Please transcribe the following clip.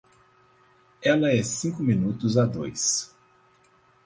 Ela é cinco minutos a dois.